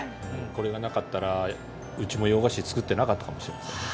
これがなかったら、うちも洋菓子作ってなかったかもしれないです。